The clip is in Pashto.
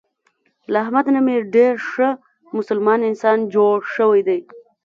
له احمد نه ډېر ښه مسلمان انسان جوړ شوی دی.